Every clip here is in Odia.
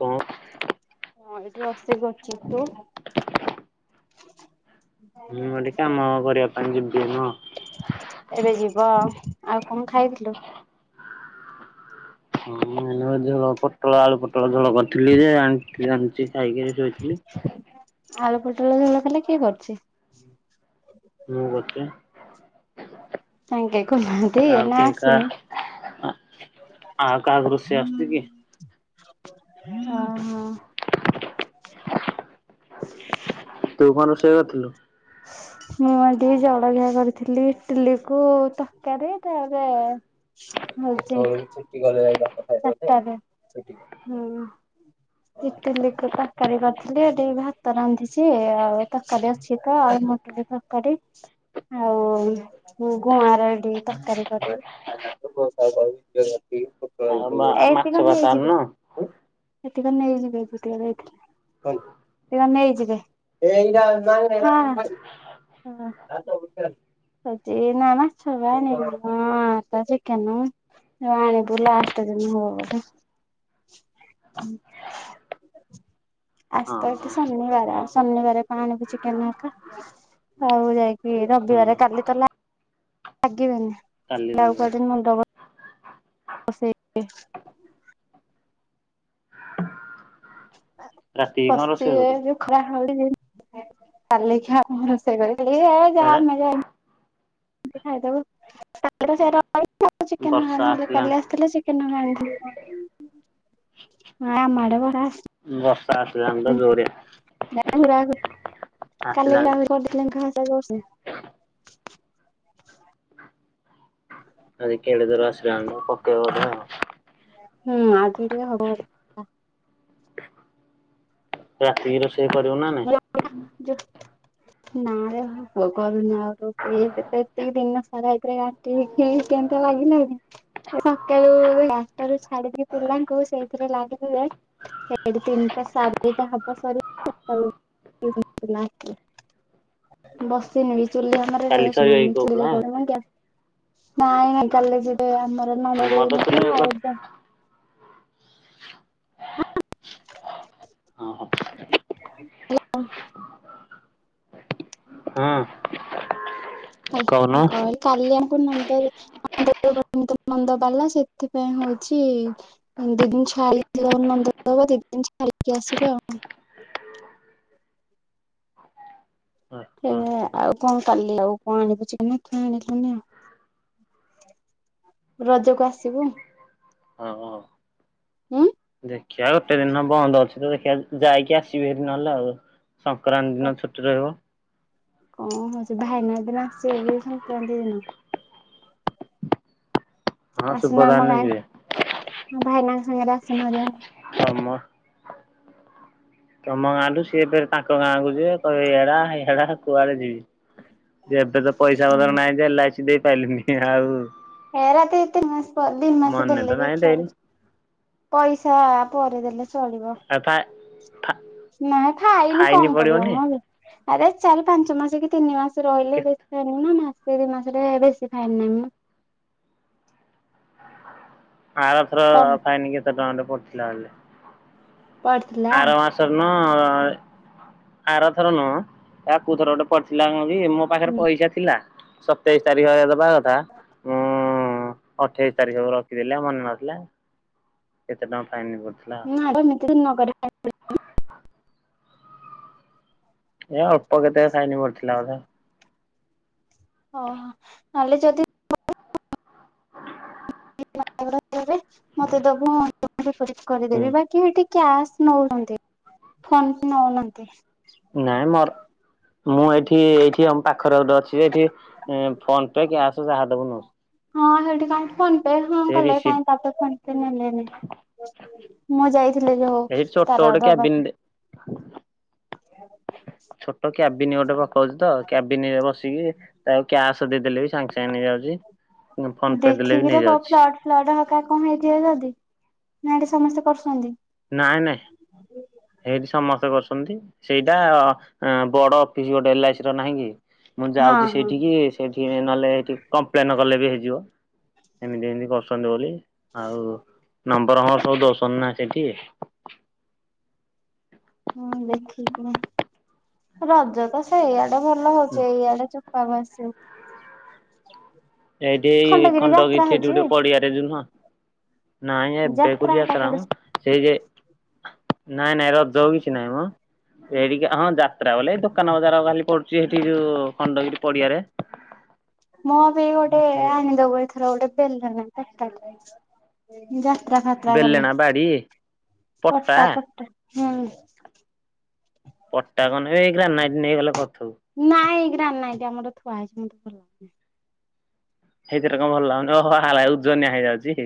କଁ ହଁ ଏଇଠି ରଷେଇ କରୁଚି ତୁ? ମୁଁ କଇଲି କାମ କରିବା ପାଇଁ ଯିବି ଏଇନୁ ଏବେ ଆଉ। ଯିବ ଆଉ କଣ ଖାଇଥିଲୁ ହଁ ଝ ପୋଟଳ ଆଳୁ ପୋଟଳ ଝୋଳ କରିଥିଲି ଯେ ଆଣି ଜାଣିଛି ଯାଇକିରି ଶୋଇଥିଲି ଆଳୁ ପୋଟଳ ସଉ ନଖେଲେ କିଏ କରୁଛି ମୁତେ ଆଙ୍ଗେ କନାହାନ୍ତି ନା ଆସୁନି ଆ କା ଦୃଶୀ ଆସତି କି ହଁ ହଁ ତୁ କ ରଷେଇ କରିଥିଲୁ ମୁଁ ଟିକେ ଜଳଖିଆ କରିଥିଲି ଇଟିଲି କ ତରକାରୀ ତାରେ ହଉଁ ଇଟ ତରକାରୀ କରିଥିଲି ଏଠି ଭାତ ରାନ୍ଧିଛି ଆଉ ତରକାରୀ ଅଛି ତ ମଟ ତରକାରୀ ଆଉ ଗୁଆଁ ର ଏଠି ତରକାରୀ କରି ଆଉ ମାଛ ଏତିେ କଣ ଫାଛ ହେଇଯିବେ ଆଣୁନୁ? ସେଠିକ ନେଇାଇଁ ସେ ନେଇଯିବେଛେ ଆଣପ ଲାଷ୍ଟ ଦିନ ହବ ହଁ ଆସି ତ ଶନିବାର ଶନିବାର ପାଣିକୁ ଚିକେନକା ଆଉ ଯାଇକି ହଁ ରବିବାର କାଲି ତ ଲଗି ବିନି କାଲି ଲାଉ କ ରବିବାର ମୁ ଫ ହ ରାତିକି କଣ ପଶ ରୋଷେଇ କରିବୁ? ଯୋଉ ଖରା ହଳି ଯେ କାଲିକି ରୋଷେଇ କରି ଯାହା ଇଆଡ଼େ ମଜା ମତି ଖାଇଦବୁ ସେ ବର୍ଷା ଚିକେନଗାନ ନଲେ ଆସିଲାଣି କାଲି ଆସିଥିଲେ ଚିକେନଗା ହଁ ଆ ମା ବା ବା ସସ ଜଣ ଜୋର ହ ରାଗ କାଲି ବି ଆମେ କରିଦୋ [unintelligible] ସେ ଆଜି କେଡ଼େ ଜୋର୍ ଆସିଲାକୁ ପକେଇବ ବୋଧେ ଆଉ। ହୁଁ ଆଜି ଟିକେ ହବ ବର୍ଷା। ରାତିକି ରୋଷେ ଇ କରିବ ନା ନାଇଁ? ନା ରେ ଭୋକ କରୁନି ଆଉ ଏବେ ତ ଏତିକି ଦିନ ସାରା ଏଥିରେ କାଟିକି କେମତି ଲାଗିଲଣିି ସକାଳୁ ଚାର ଟା ରୁ ଛାଡିକି ପିଲାଙ୍କୁ ସେଇଥିରେ ଲାଗିଛି ଯେ ହେଇଠି ତିନିଟାା ସାଢ଼େଦିଟା ହବ ସରି ସକାଳୁ [unintelligible] ବସିନି ବି ଚୁଲି ଆମର କାଲି [unintelligible] ସରିବ କି ନଉନି, କୋଉ ଚୁଲିରେ ଖୁଳା? [unintelligible] ନାଇଁ ନାଇଁ କାଲି ଯିବେ ଆମ [unintelligible] ଆମର ଦେଇନି ତୁରେ ତ ଆଉ [unintelligible] ହଁ ହ ହାଲୋ। କହୁନୁ। [unintelligible] କାଲି [unintelligible] ନନ୍ଦରେ [unintelligible] ନନ୍ଦ ବାଲା ସେଥିପାଇଁ ହଉଛି ଦି ଦିନ ଛାଡିକି ନନ୍ଦଉତ୍ସବ ଦି ଦିନ ଛାଡ଼ିକି ଆସିବେ ଆଉ। ଓହୋ ଖେଳିଆ ଆଉ କଣ କାଲି ଆଉ କଣ ଆଣେ ପଛେକେ କି ରଜକୁ ଆସିବୁ। ହଉ ହଉ। ହୁଁ? ଦେଖିବା ଗୋଟେ ଦିନ ବନ୍ଦ ଅଛି ତ ଦେଖିବା ଯାଇକି ଆସିବି ହେରି ନହେଲେ ଆଉ। ସଂକ୍ରାନ୍ତି ଦିନ ଛୁଟି ରହିବ। କଣ ହଉଛି ଭାଇନା ସେଦିନ ଆସିବେ ବି ସଂକ୍ରାନ୍ତି ଦିନ। ହଁ ଆସୁନୁ ଆମ ସୁଭଦାନ ଗାଁ ଯିବେ। ଭାଇନାଙ୍କ ସାଙ୍ଗରେ ଆସୁନ ହେରି ଆଉ? ତମ ତମ ଗାଁରୁୁ ସିଏ ଫେରେ ତାଙ୍କ ଗାଁକୁ ଯିବେ କହିବେ ଇଆଡ଼େ ଆ ହିଆଡେ ଆ କୁଆଡେ ଯିବି? ଯେ ଏବେ ତ ପଇସା ହଁ ପତର ନାହିଁ ଯେ ଏଲ୍ ଆଇ ସି ଦେଇ ପାଇଲିନି ଆଉ ଏରା ତ ଏତେ ନୁହଁ? ଦି ମାସେ ମନେ ତ ଦେଲେ ବି ନାହିଁ ପରେ ଦେଇନି ପଇସା ପରେ ଦେଲେ ଚଳିବ ଆଉ ଫା ଫା ନାଁ ଫାଇନି ଫାଇନ କମ ପଡିବ ପଡିବନି [unintelligible] ଆରେ ଚାରି ପାଞ୍ଚ ମାସ କି ତିନି ମାସ କେ ରହିଲେ ବେଶି [unintelligible] ସେ ଦିଇ ମାସରେ ବେଶୀ ଫାଇନ ନାହିଁ ମ ଆର ଥରକ କମ ଫାଇନି କେତେ ଟଙ୍କା ଟେ ପଡ଼ିଥିଲା ହେଲେ। ପଡଥିଲା? ହଁ ଆରଥର ନୁହଁ ଆ କୋଉ ଥର ଗୋଟେ ପଡିଥିଲା [unintelligible] ମୋ ପାଖରେ ହୁଁ ପଇସା ଥିଲା ସତେଇଶ ତାରିଖରେ ଭଲାଗଥା ହଁ [unintelligible] ହ ଅଠେଇଶି ତାରିଖ କୁ ରଖିଦେଲେ ମନେ ନଥିଲା। କେତେ ଟ ନାଁ ତ ନଗ [unintelligible] ଏ ଅଳ୍ପ କେତେ ଫାଇନି ପଡିଥିଲା ବୋଧେ। ଓହୋ ନହେଲେ ଯଦି [unintelligible] ମତେ ଦବୁ ହୁଁ କରିଦେବି ବାକି ହେଠି କ୍ୟାସ୍ ନଉଛନ୍ତୀ। ଫୋନ ନଉନାହାନ୍ତି। ନାଇଁ ମର ମୁଁ ଏଇଠି ଏଇଠି ଆମ ପାଖରେ ଗୋଟେ ଅଛି। ଏଠି ଫୋନ ପେ କ୍ୟାସ ଯାହା ଦେବୁ ନଉ ହଁ ହେଠି କାଇ ଫୋନ୍ ଏବେ ହଁ କଲେ କାଇ ତା ପରେ ଫୋନ୍ ପେ ନେଲେନି ତ ମୁଁ ଯାଇଥିଲି ଯୋଉ ଏଇ ଛୋଟ ତାର ଗୋଟେ ଦବା କ୍ୟାବିନ ପାଇଁ। ହଁ ଛୋଟ କ୍ୟାବିନି ଗୋଟେ ପକଉଛି ତ କ୍ୟାବିନ ରେ ବସିକି ତାଉ କ୍ୟାସ ଫୋନ ପେ ଦେଲେ ବି ଦେଖିକିର ପୁ ନେଇଯାଉଛି ଫ୍ଲ ଫ୍ଲଡ ହକା କଣ ହେଇଥିବା ଯଦି। ନା ଏଇଟା ସମସ୍ତେ କରୁସନ୍ତି। ନାଇଁ ନାଇଁ ଏଇଠି ସମସ୍ତେ କରସନ୍ତି। ସେଇଟା ବଡ ଅଫିସ ଗୋଟେ ଏଲ ଆଇ ସି ର ନାହିଁ କି? ମୁଁ ହଁ ଯାଉଛି ହଁ। ସେଇଠିକ କି ସେଠି ଟିକ ନହେଲେ ଏଠିକି କମ୍ପ୍ଲେନ୍ କଲେ ବି ହେଇଯିବ ଏମିତି ଏମିତି କରୁଛନ୍ତି ବୋଲି। ହଉ। ନମ୍ବର ଫମ୍ୱର୍ ସବୁ ଦଉସନ୍ତି ନା ସେଠୀ [unintelligible] ହଁ ଦେଖିକି ରଜ ତ ସେଇଆ ଏଟା ଭଲ ହଉଚି ଏଇଆଡେ ଚ ପାବାସୁ। ଏଇଠି ଏଇ ଖଣ୍ଡଗୀ ଗୋଟେ ପଡିଆରେ ଯୋଉ ନୁହଁ। ନାଇ ଏବେ କୁ କୁଠି ହେକା ଯାତ୍ରା ମ ପଡୁଛି। ସେଇ ଯେ ନାଇଁ ନାଇଁ ରଜ କିଛି ନହିଁ ମ। ମୁଁ ସେଇଠିକି ହଁ ଯାତ୍ରା ବୋଲେ ଦୋକାନ ବଜାର ଖାଲି ପଡୁଛି ସେଠି ଯୋଉ ଖଣ୍ଡଗିରି ପଡିଆରେ ମୁଁ ବି ଗୋଟେ ଆଣିଦବ ଏଇଥର ଗୋଟେ ବେଲ ବେଲଣା ବାଡ଼ି ପଟ୍ଟା ପଟା ପଟା ହୁଁ ପଟା କଣ ଏଇ ଗାନା ହେଇଗଲା ନାଇଁ ନାଁି ଆମର ଛୁଆ ହେଇଛି ମତ ଭଲ ଲାଗୁନି ସେଇଥିରେ କଣ ଭଲ ଲାଗୁନି ଓହୋଲା ଉଜନିଆ ହେଇଯାଉଛି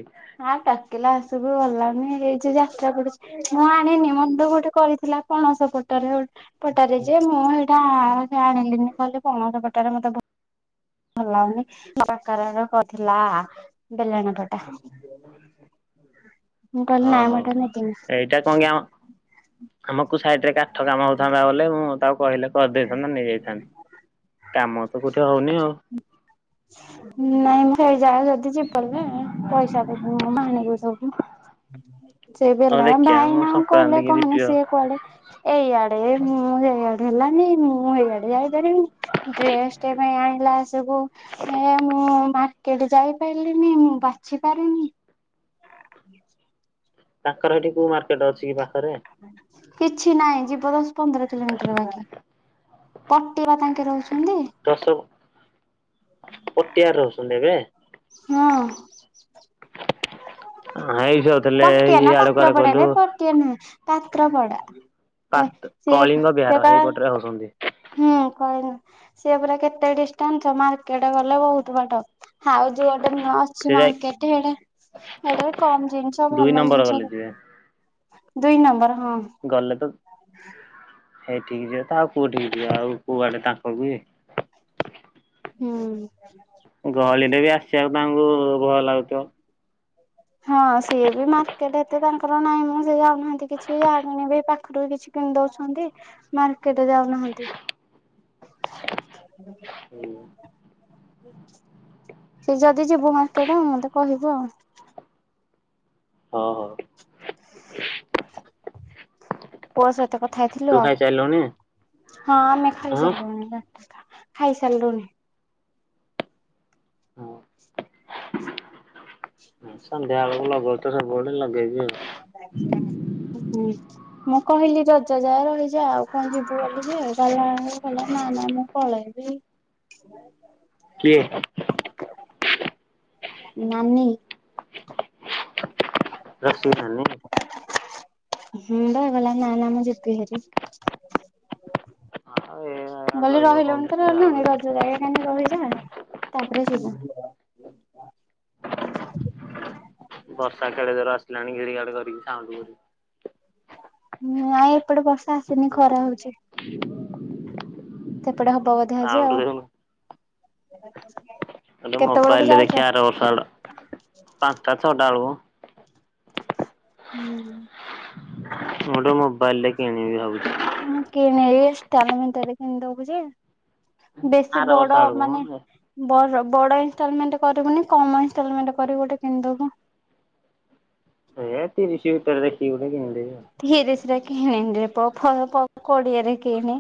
ଆଉ ଟାକିଲା ଆସିବୁ ଭଲ ଲାଗୁନି ଏଇ ଯାତ୍ରା କରୁଛି ମୁଁ ଆଣିନି ମତେ ଗୋଟେ କରିଥିଲା ପଣସ ପଟରେ ପଟରେ ଯେ ମୁଁ ଏଇଟା ଆଣିଲିନି କହିଲେ ପଣସ ପଟରେ ମତେ ଭଲ ଲାଗନି ପ୍ରକାରର କଥିଲା ବେିଲଣ ଫଟା ମୁଁ କାଲି ହଁ ନ ମ ହଉ। ନ ସାଇଡ ରେ କାଠ କାମ ହଉଥାନ୍ତା ବୋଲେ ମୁଁ ତାକୁ କହିଲେ କରିଦେଇଥାନ୍ତା ନେଇଯାଇଥାନ୍ତି। କାମ ତ କୋଉଠି ହଉନି ଆଉ ନାଇଁ ମୁଁ ସେଇ ଯା ଯଦି ଯପାରିଲ ପଇସା ଦେବି ଆଣିବି ସବୁ ହୁଁ ସେ ଆଉ ବଲା ଦେଖିବା ଭାଇ ମୁଁ ନା ସଂକ୍ରାନ୍ତି କହିଲେ କି ଯିବି କହନି ଆଉ। ସିଏ କୁଆଡେ ଏଇଆଡେ ମୁଁ ଏଇଆଡେ ହେଲାନି ମୁଁ ଏଇଆଡେ ଯାଇପାରିବିନି ଡ୍ରେସ ପାଇଁ ଆଣିଲା ସବୁ ଏ ମୁଁ ମାର୍କେଟ ଯାଇପାରିଲିନି ମୁଁ ବାଛି ପାରିନି ତାଙ୍କର ଏଠି କୁ ମାର ଟିକେଟ ଅଛି କି ପାଖରେ କିଛି ନାହିଁ ଯିବ ଦଶ ପନ୍ଦର କିଲୋମିଟର ବାକି ପଟି ବା ତାଙ୍କେ ରହୁଛନ୍ତି ଦଶ ପଟିଆର ରହୁଛନ୍ତି ଏବେ ହଁ ଏଇ ଯାଉଥିଲେ ପଟିଆ ନା ଏଆଡେ କୁଆଡେ କଇଲୁ ଚକ ପଡ଼ା ପାତ କଳିଙ୍ଗ ବିହାର ହେଇପଟରେ ହଉଛନ୍ତି। ହୁଁ କହନି ସି ପୁରରା କେତେ ଡିଷ୍ଟାନ୍ସ ମାର୍କେଟ ଗଲେ ବହୁତ ବାଟ ଆଉ ଯୋଉ ଗଟେ ଅଛି ସେ ଯାଇ ମାର୍କେଟ ସେଇଟାରେ କମ ଜିନିଷ ଦୁଇ ଭଲ ନମ୍ବର ଜିନିଷ ଗଲେ ଯିବେ। ଦୁଇ ନମ୍ବର ହଁ ହେଇ ଠିକ ଯିବ ତ ଆଉ କୁଅ ଠିକ ଯିବ ଆଉ କୁଆଡେ ତାଙ୍କ କୁଏ ହୁଁ ବି ଆସିବାକୁ ତାଙ୍କୁ ଭୟ ଲାଗୁଥିବ ହଁ ସିଏ ବି ମାର୍କେଟ ତେ ତାଙ୍କର ନାଇଁ ମୁଁ ସେ ଯାଉନାହାନ୍ତି କିଛି ଯାହା କିଣିବି ପାଖରୁ ବି କିଛି କିଣି ଦଉଛନ୍ତି ମାର୍କେଟରେ ଯାଉନାହାନ୍ତି ହଁ ସେ ଯଦି ଯିବ ମାର୍କେଟ ମତେ କହିବୁ ଆଉ ହଁ ହଁ ପସ ଏତେ କଥା ତୁ ହେଇଥିଲୁ ଆଉ ଖାଇସାରିଲୁଣି? ହଁ ଆମେ ହଁ ଖାଇସାରିଲୁଣି। ଖାଇସାରିଲୁନି। ସନ୍ଧ୍ୟାବେଳେ [unintelligible] ହୁଁ। ମୁଁ କହିଲି ଜଜ ଯାଏ ରହିଯା ଆଉ କଣ ଯିବୁ ବୋଲି ଯେ ଗଲା ଗଲା ନା ନା ମୁଁ ପଳେଇବି। କିଏ। ନାନୀ ରସେଇ ଖି ହ ବା ଗଲା ନା ନ ମୁ ଯିବି ହୋର ଆଉ ଏ ମୁଁ କହଲି ରହିବ କଣ ରହିଲୁଣି ଯେ ତ ସେ ଯାଉ ରହିଲାଣି ଭାରି। ରଜରେ ମାନେ ରହିଯା ତାପରେ ଯିବ। ବର୍ଷା କଦ ର ପିଲାଣି ଗିଡି ଗାଡ କରିକି ସାଁ ହଁ ଆଉ ଏପଟେ ବର୍ଷା ଆସିନି ଖରା ହଉଛି। ତ ସେପଟେ ହବ ବୋଧେ ଆଜି ସାଉଣ୍ଡ ଆଉ ଦେଖୁନୁ ଏଟ କେତେବେଳକୁ ମୋବାଇଲ ଦେ ଯାଉଛ? କେ ଆର ବର୍ଷ ପାଞ୍ଚଟା ଛୋଟା ଆଳକୁ ହୁଁ। ମୁଁ ଗୋଟେ ମୋବାଇଲ ରେ କିଣିବି ଭାବୁଛି। ହଁ କିଣି ତାେଲେମ ତାରେ କିଣି ଦଉଛି। ବେଶୀ ଆର ବର୍ଷ ବଡ ଆଡକୁ ମାନେ ମ। ବ ବଡ ଇଲମଣ୍ଟ କରିବୁନି କମ ଇଲମଣ୍ଟ କରିବୁ ଗୋଟେ କିଣିଦବୁ। ଏ ତିରିଶ ଭିତରେ ଦେଖି ଗୋ ରେ ରେ କିଣିନିରେ କୋଡିଏରେ କିଣି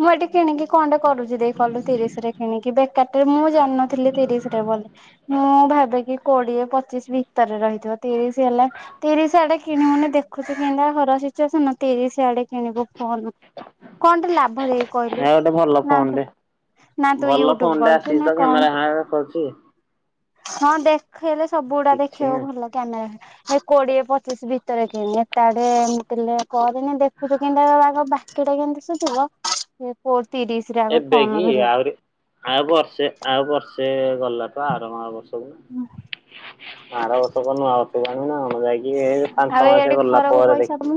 ମୁଁ ଏଠି କିଣିକି କଣଟେ କରୁଛି। ଦେଇ କିଲୁ ତିରିଶ ରେ କିଣିକି ବେକାରରେ ମୁଁ ଜାନଥିଲି ତିରିଶରେ ବୋଲି ମୁଁ ଭାବେ କିି କୋଡିଏ ପଚିଶ ଭିତରେ ରହିଥିବ ତିରିଶ ହେଲା ତିରିଶ ଆଡେ କିଣିବୁନି ଦେଖୁଛି। କିା ଘର ସିଚୁସନ ତିରିଶି ଆଡେ କିଣିବୁ ଫୋନ କଣ ଟେ ଲାଭ ଦେଇ ଆ କହିଲୁ ଗୋଟେ ଭଲ ନା ଫୋନ ନା ତୁ ଭଲ ୟୁଟ୍ୟୁବ ଫୋନ ଟେ କରୁଛୁ ଆସିଛି ନା ତ କଣ? କ୍ୟାମେରାମେ ଦେଖାଉଛି। ହଁ ଦେଖେଇଲେ ସବୁ ଦେଖିବାକୁ ନାହିଁ। ଭଲ କ୍ୟାମେରା। ସେ କୋଡିଏ ପଚିଶି ଭିତରେ କିଣି ତାଡେ ମୁଁ ପେ କରେନି ଦେଖୁଛୁ କେମତିଗ ବାକି ଟା କେମତି ସୁୁଝିବ ଏବେ କି ଆହୁରି ଆଉ ବର୍ଷେ ଆଉ ବର୍ଷେ ଗଲା ତ ଆରମ ବର୍ଷେ ଧରିବା ଆର ବର୍ଷକ ନୂଆ ବର୍ଷକୁ ଅଣିବୁନା ଆଉ ଆମର ଯାଇକି ପାଞ୍ଚ ଆଉ ଛ ମାସ ଇଆଡେ ଗଲା ପରେ ଦେଖିବୁ।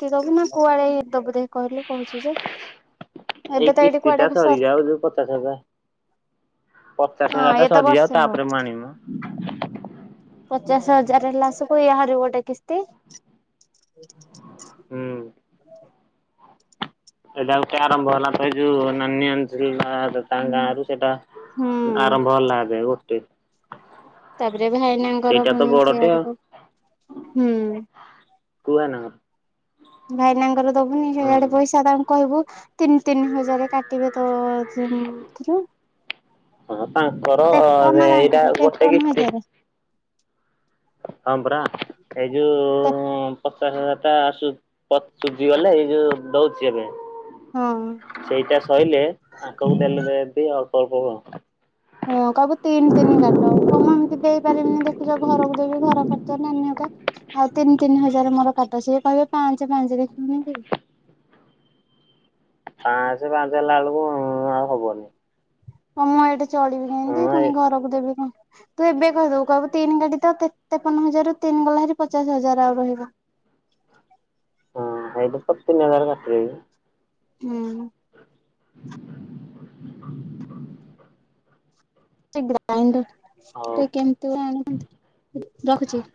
କି ଦବୁ ନା କୁଆଡେ ଦବୁ ଦେ କହିଲୁ କହୁଛୁ ଯେ ଏଇ ଏବେ ତ ଏଇଠି କିସ୍ତି ଟା କୁଆଡେ ସରେ ସରିଯାଉ ଯୋଉ ପଚାଶ ହଜାର। ପଚାଶ ହଁ ହଜାର ଟା ଇଏ ତ ସରିଯାଉ ବର୍ଷେ ହବ ତାପରେ ମୁଁ ଆଣିବି ମ। ପଚାଶ ହଜାର ହେଲା ସବୁ ଏହାର ଗୋଟେ କିସ୍ତି। [inaudible] ହୁଁ। ଏଇଟା ଗୋଟେ ଆରମ୍ଭ ହେଲା ତ ଏଇ ଜଉ ନାନି ଅ ତାଙ୍କ ଗାଁ ରୁ ସେଟା ହୁଁ ଆରମ୍ଭ ହେଲା ଏବେ ଗୋଟେ [inaudible] ତାପରେ ଭାଇନାଙ୍କର ସେଇଟା ତ ପୁଣୀ ବଡଟେ ସିଆଡେ ଆଉ ତ ହୁଁ କୁହ ନା ଭାଇନାଙ୍କର ଦବୁନି ସେଇଆଡେ ପଇସା ତାଙ୍କୁ କହିବୁ ତିନି ତିନି ହଜାରେ କାଟିବେ ତ [unintelligible] ହଁ ତାଙ୍କର ଏଇଟା ତାଙ୍କର ଗୋଟେ ତେପନ କିସ୍ତି ହଜାରେ ହଁବରା ଏଜୁ ପଚାଶ ହଜାର ଟା ଆସୁ ପ ସୁଝି ଗଲେ ଏଇ ଯୋଉ ଦଉଛି ଏବେ ହଁ ସେଇଟା ସଇଲେ ଆଗକୁ ଦେଲେ ଏ ଅଳ୍ପ ଅଳ୍ପ କ [inaudible] ହଁ କବୁ ତିନି ତିନି କାଟ କଣ ଏମିତି ଦେଇପାରିବିନି ଦେଖ ପୂଜା ଘରକୁ ଦେବି ଘର ତ ନାନି ଅଧା ଆଉ ତିନି ତିନି ହଜାର ମୋର କାଟ ସିଏ କହିବେ ପାଞ୍ଚ ପାଞ୍ଚରେ ଶୁନ କି [inaudible] ପାଞ୍ଚଁ ପାଞ୍ଚ ହେଲା ବେଳୁ ହ ଆଉ ହବନି ମମ ଏଟ ଚଳିବି କେମତି ହଁ ଏଇ ପୁଣି ଘରକୁ ଦେବି କଣ? ତୁ ଏବେ କହିଦବୁ କହିବୁ ତିନି ଗାଡି ତ ତେପନ ହଜାର ର ତିନି ଗଲା ଭାରି ପଚାଶ ହଜାର ଆଉ ରହିବ। [inaudible] ହଁ ଆଇ ପତିନ ହଜାରେ କାଟିକିରି ହୁଁ [inaudible] ସେ ଗ୍ରାଇଣ୍ଡର ହଉ ଟ କେମିତି ଆଣି ରଖୁଛି। [inaudible]